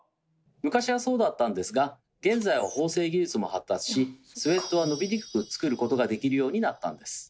昔はそうだったんですが現在は縫製技術も発達しスウェットは伸びにくく作ることができるようになったんです。